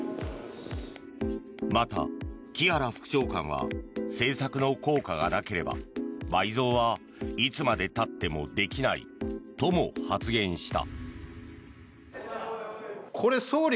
また、木原副長官は政策の効果がなければ倍増はいつまでたってもできないとも発言した。